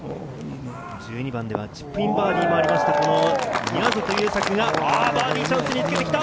１２番ではチップインバーディーもあまりました宮里優作がバーディーチャンスにつけてきた！